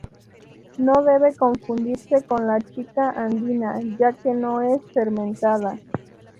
No debe confundirse con la chicha andina ya que no es fermentada.